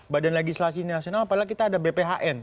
badan legislasi nasional apalagi kita ada bphn